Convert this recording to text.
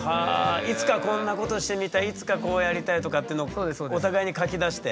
いつかこんなことしてみたいいつかこうやりたいとかっていうのをお互いに書き出して。